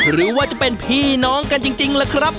หรือว่าจะเป็นพี่น้องกันที่หิ่น